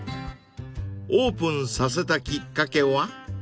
［オープンさせたきっかけは？］